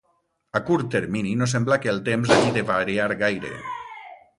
A curt termini no sembla que el temps hagi de variar gaire.